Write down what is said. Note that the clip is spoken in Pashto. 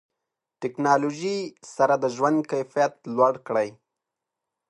ټکنالوژي سره د ژوند کیفیت لوړ کړئ.